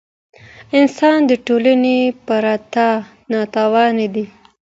انسان د ټولني پرته ناتوان دی.